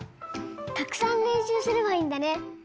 たくさんれんしゅうすればいいんだね。